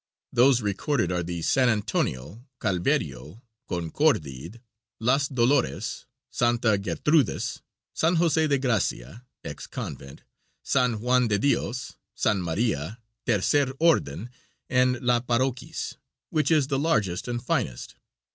Those recorded are the San Antonio, Calverio, Concordid, Las Dolores, Santa Gertrudes, San Jose de Gracia (ex convent), San Juan de Dios, San Maria, Tercer Orden and La Parroquis, which is the largest and finest.